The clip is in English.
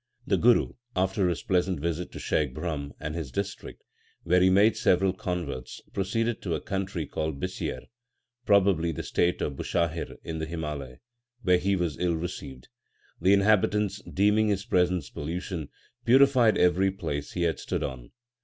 2 Sri Rag. LIFE OF GURU NANAK 93 The Guru, after his pleasant visit to Shaikh Brahm and his district, where he made several converts, proceeded to a country called Bisiar, probably the state of Bushahir in the Himalayas, where he was ill received. The inhabitants, deeming his presence pollution, purified every place he had stood on.